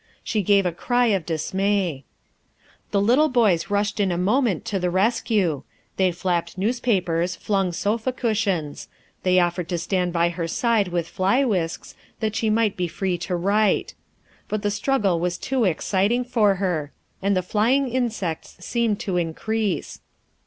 She gave a cry of dismay. The little boys rushed in a moment to the rescue. They flapped newspapers, flung sofa cushions; they offered to stand by her side with fly whisks, that she might be free to write. But the struggle was too exciting for her, and the flying insects seemed to increase.